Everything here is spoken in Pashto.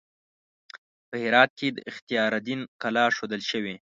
په هرات کې د اختیار الدین کلا ښودل شوې.